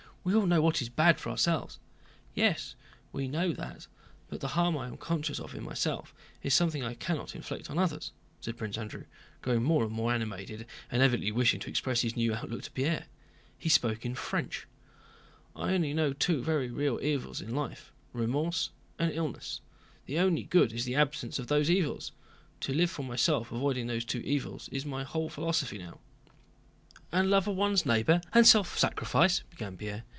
"We all know what is bad for ourselves." "Yes, we know that, but the harm I am conscious of in myself is something I cannot inflict on others," said Prince Andrew, growing more and more animated and evidently wishing to express his new outlook to Pierre. He spoke in French. "I only know two very real evils in life: remorse and illness. The only good is the absence of those evils. To live for myself avoiding those two evils is my whole philosophy now." "And love of one's neighbor, and self sacrifice?" began Pierre.